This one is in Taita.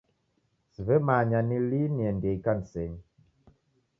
Siw'emanya ni lii niendie ikanisenyi.